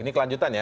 ini kelanjutan ya